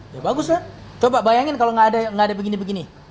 ya bagus lah coba bayangin kalo gak ada yang begini begini